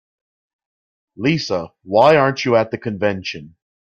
Lisa, why aren't you at the convention?